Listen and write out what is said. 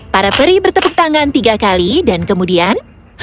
para peri bertepuk tangan tiga kali dan kemudian